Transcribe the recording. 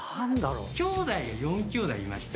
きょうだいが４きょうだいいまして。